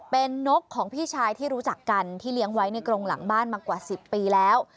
เป็นนกของพี่ชายที่รู้จักกันที่เลี้ยงไว้ในกรงหลังบ้านมากว่า๑๐ปีแล้ว